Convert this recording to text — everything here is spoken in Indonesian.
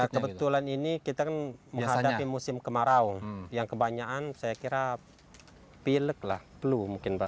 kebetulan ini kita kan menghadapi musim kemarau yang kebanyakan saya kira pilek lah plu mungkin pak